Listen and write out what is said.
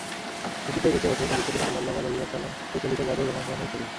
স্মৃতিতে ভেসে ওঠে নবী করীম সাল্লাল্লাহু আলাইহি ওয়াসাল্লাম পরিচালিত বদর রণাঙ্গনের ছবি।